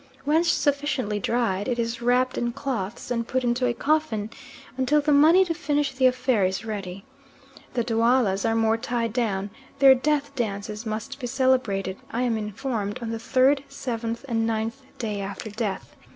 When sufficiently dried, it is wrapped in clothes and put into a coffin, until the money to finish the affair is ready. The Duallas are more tied down; their death dances must be celebrated, I am informed, on the third, seventh, and ninth day after death.